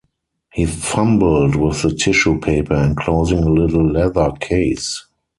He fumbled with the tissue paper enclosing a little leather case.